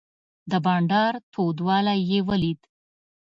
د بانډار تودوالی یې ولید.